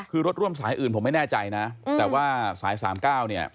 คือรถร่วมสายอื่นผมไม่แน่ใจนะแต่ว่าสาย๓๙เนี่ย